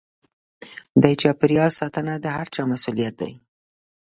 د چاپېريال ساتنه د هر چا مسووليت دی.